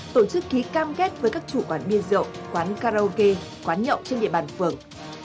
tổ chức ký cam kết với các chủ quán bia rượu quán karaoke quán nhậu trên địa bàn phường